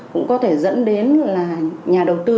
cũng có thể dẫn đến nhà đầu tư